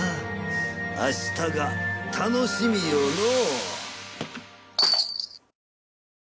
明日が楽しみよのう。